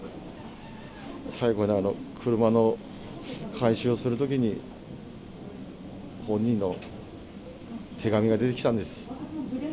最後に車の回収をするときに、本人の手紙が出てきたんです。